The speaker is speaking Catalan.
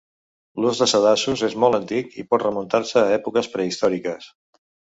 L’ús de sedassos és molt antic i pot remuntar-se a èpoques prehistòriques.